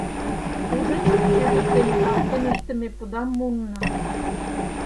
Ужыч, чӧгыт дене таптен ыштыме пудам муынна...